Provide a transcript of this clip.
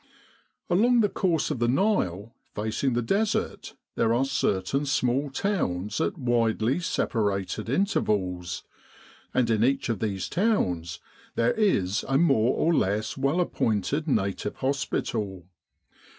Along the course of the Nile facing the Desert there are certain small towns at widely separated intervals, and in each of these towns there is a more or less well appointed native hospital.